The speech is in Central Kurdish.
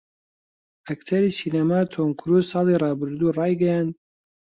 ئەکتەری سینەما تۆم کرووز ساڵی ڕابردوو ڕایگەیاند